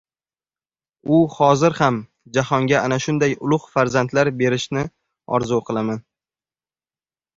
U hozir ham jahonga ana shunday ulug‘ farzandlar berishni orzu qilaman.